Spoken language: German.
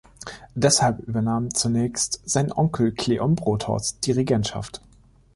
Deshalb übernahm zunächst sein Onkel Kleombrotos die Regentschaft.